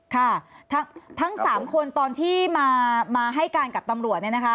ค่ะทั้ง๓คนตอนที่มาให้การกับตำรวจเนี่ยนะคะ